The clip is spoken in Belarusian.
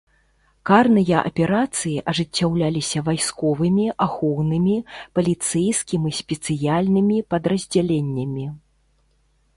Карныя аперацыі ажыццяўляліся вайсковымі, ахоўнымі, паліцэйскім і спецыяльнымі падраздзяленнямі.